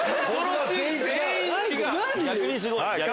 逆にすごい。